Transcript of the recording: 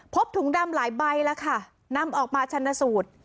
ถุงดำหลายใบแล้วค่ะนำออกมาชันสูตร